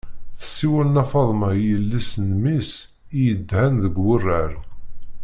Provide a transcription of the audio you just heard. Tessiwel nna faḍma i yelli-s n mmi-s i yedhan deg wurar.